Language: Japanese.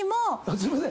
すいません！